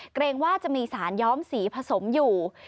เกรงว่าจะมีสารย้อมสีผสมอยู่